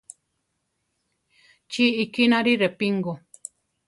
Chi ikínari Repingo.